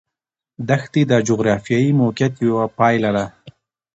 دښتې د جغرافیایي موقیعت یوه پایله ده.